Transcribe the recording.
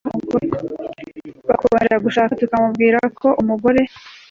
bakongera gushaka, tukamubwira ko umugore